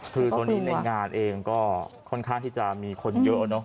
คือตอนนี้ในงานเองก็ค่อนข้างที่จะมีคนเยอะเนอะ